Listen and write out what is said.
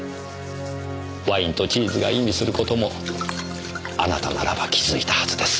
ワインとチーズが意味する事もあなたならば気付いたはずです。